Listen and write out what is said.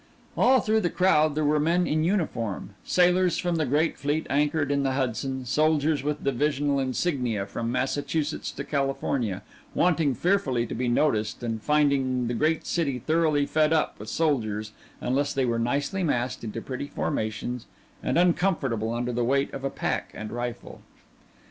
All through the crowd were men in uniform, sailors from the great fleet anchored in the Hudson, soldiers with divisional insignia from Massachusetts to California, wanting fearfully to be noticed, and finding the great city thoroughly fed up with soldiers unless they were nicely massed into pretty formations and uncomfortable under the weight of a pack and rifle.